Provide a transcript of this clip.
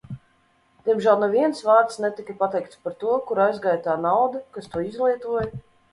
Diemžēl neviens vārds netika pateikts par to, kur aizgāja tā nauda, kas to izlietoja.